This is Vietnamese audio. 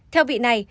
theo vị này